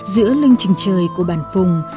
giữa lưng trình trời của bản phùng